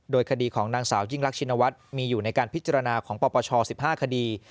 โดยคดีของนางสาวยิ่งรักชินวัฒน์มีอยู่ในการพิจารณาของปปช๑๕คดี